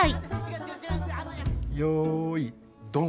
よいドン。